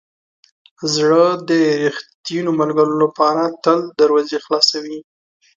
زړه د ریښتینو ملګرو لپاره تل دروازې خلاصوي.